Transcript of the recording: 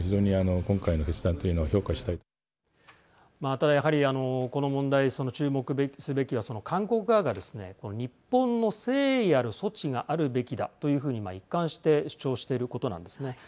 ただやはりこの問題、注目すべきはその韓国側がですね日本の誠意ある措置があるべきだというふうに一貫して主張していることなんですね。